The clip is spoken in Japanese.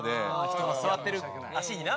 人が座ってる足にな。